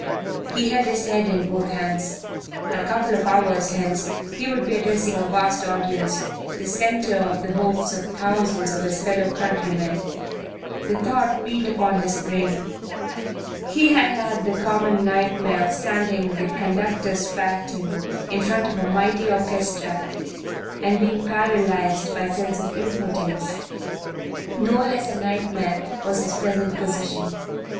He held his head in both hands. A couple of hours hence he would be addressing a vast audience, the centre of the hopes of thousands of his fellow countrymen. The thought beat upon his brain. He had had the common nightmare of standing with conductor's baton in front of a mighty orchestra and being paralyzed by sense of impotence. No less a nightmare was his present position.